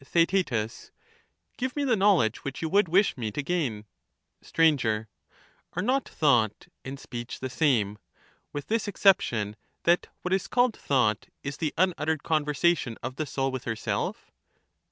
Theaet. Give me the knowledge which you would wish me to gain. Str. Are not thought and speech the same, with this exception, that what is called thought is the unuttered conversation of the soul with herself?